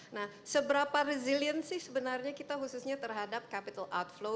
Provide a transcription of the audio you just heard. nah seberapa resilient sih sebenarnya kita khususnya terhadap capital outflow